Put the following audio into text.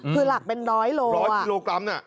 คือหลักเป็น๑๐๐โลกรัม